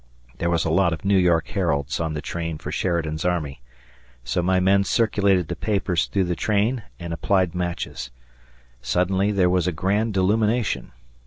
There was a lot of New York Heralds on the train for Sheridan's army. So my men circulated the papers through the train and applied matches. Suddenly there was a grand illumination.